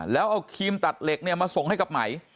แล้วเอาครีมตัดเหล็กเนี่ยมาส่งให้กับไหม